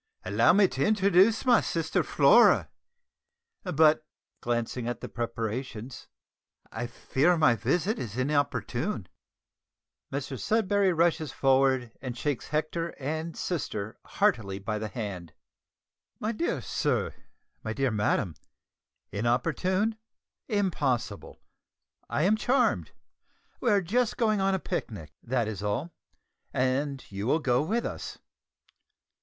"Allow me to introduce my sister, Flora; but," (glancing at the preparations), "I fear that my visit is inopportune." Mr Sudberry rushes forward and shakes Hector and sister heartily by the hand. "My dear sir, my dear madam, inopportune! impossible! I am charmed. We are just going on a picnic, that is all, and you will go with us.